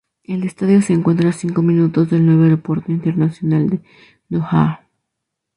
El estadio se encuentra a cinco minutos del nuevo Aeropuerto Internacional de Doha.